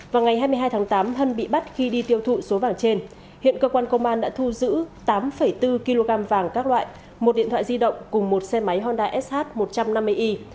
vào ngày hai mươi hai tháng tám hân bị bắt khi đi tiêu thụ số vàng trên hiện cơ quan công an đã thu giữ tám bốn kg vàng các loại một điện thoại di động cùng một xe máy honda sh một trăm năm mươi y